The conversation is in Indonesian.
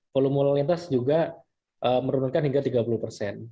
volumen lintas juga menurunkan hingga tiga puluh persen